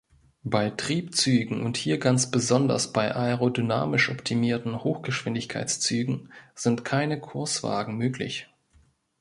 Bei Triebzügen und hier ganz besonders bei aerodynamisch optimierten Hochgeschwindigkeitszügen sind keine Kurswagen möglich.